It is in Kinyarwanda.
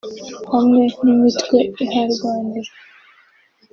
hamwe n’imitwe iharwanira